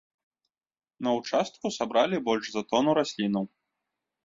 На участку сабралі больш за тону раслінаў.